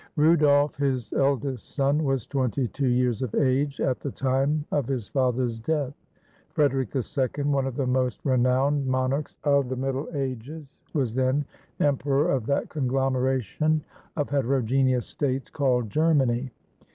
Rudolf, his eldest son, was twenty two years of age at the time of his father's death. Frederic II, one of the most renowned monarchs of the Middle Ages, was then emperor of that conglomeration of heterogeneous states 258 RUDOLF THE FIRST BECOMES EMPEROR called Germany.